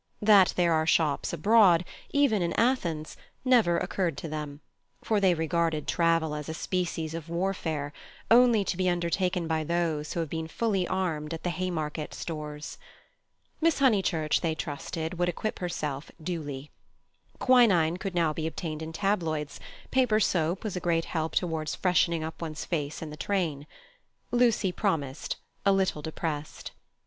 That there are shops abroad, even in Athens, never occurred to them, for they regarded travel as a species of warfare, only to be undertaken by those who have been fully armed at the Haymarket Stores. Miss Honeychurch, they trusted, would take care to equip herself duly. Quinine could now be obtained in tabloids; paper soap was a great help towards freshening up one's face in the train. Lucy promised, a little depressed.